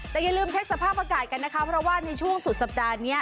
แต่อย่าลืมเช็คสภาพอากาศกันนะคะเพราะว่าในช่วงสุดสัปดาห์นี้